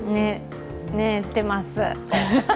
寝てます。